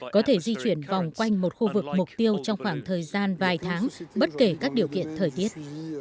có thể di chuyển vòng quanh một khu vực mục tiêu trong khoảng thời gian vài tháng bất kể các điều kiện thời tiết